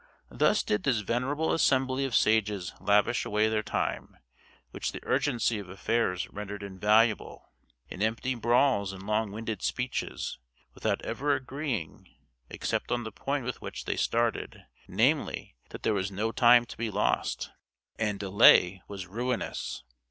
Thus did this venerable assembly of sages lavish away their time, which the urgency of affairs rendered invaluable, in empty brawls and long winded speeches, without ever agreeing, except on the point with which they started, namely, that there was no time to be lost, and delay was ruinous.